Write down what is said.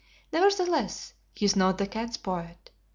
Nevertheless he is not the cat's poet.